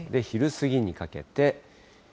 昼過ぎにかけて。